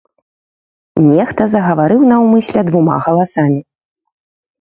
Нехта загаварыў наўмысля двума галасамі.